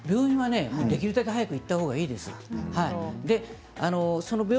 できるだけ早く行ったほうがいいです。